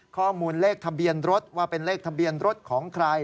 ข้อมูลเลขทะเบียนรถว่าเป็นเลขทะเบียนรถของใคร